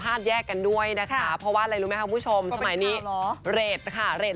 พี่น้องกันก็ดีล้อแหละบริสุทธิ์ใจก็ไม่เห็นประมาณเลย